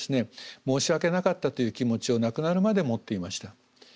申し訳なかったという気持ちを亡くなるまで持っていました。